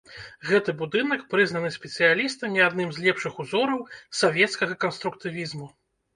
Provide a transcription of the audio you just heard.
Гэты будынак прызнаны спецыялістамі адным з лепшых узораў савецкага канструктывізму.